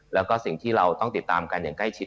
แล้วก็สิ่งที่เราต้องติดตามกันอย่างใกล้ชิด